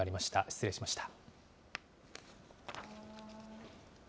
失礼しました。